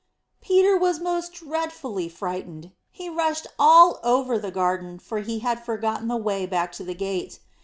Peter was most dreadfully frightened; he rushed all over the garden, for he had forgotten the way back to the gate.